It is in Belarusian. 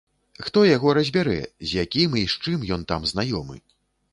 Хто яго разбярэ, з якім і з чым ён там знаёмы.